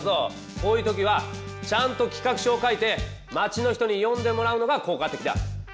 こういう時はちゃんと「企画書」を書いて町の人に読んでもらうのが効果的だ！